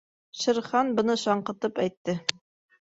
— Шер Хан быны шаңҡытып әйтте.